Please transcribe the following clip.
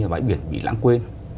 bãi biển bị lãng quên